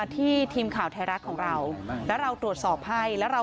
ทีมข่าวไทยรัฐของเราแล้วเราตรวจสอบให้แล้วเรา